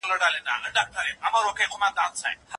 پرمختللې ټکنالوژي د اقتصادي ستونزو د کمېدو لامل کېږي.